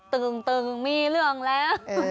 ตึงมีเรื่องแล้ว